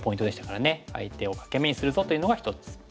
相手を欠け眼にするぞというのが１つ。